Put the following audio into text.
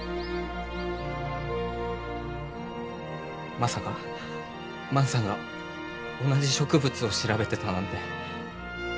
まさか万さんが同じ植物を調べてたなんて。